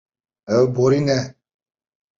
Ew borîne.